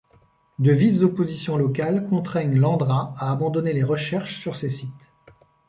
De vives oppositions locales contraignent l'Andra à abandonner les recherches sur ces sites.